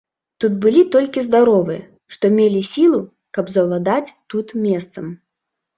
Тут былі толькі здаровыя, што мелі сілу, каб заўладаць тут месцам.